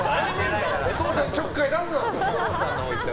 お父さんにちょっかいを出すな！